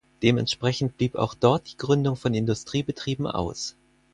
Dementsprechend blieb auch dort die Gründung von Industriebetrieben aus.